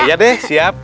iya deh siap